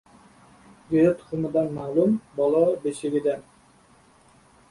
• Jo‘ja tuxumidan ma’lum, bola ― beshigidan.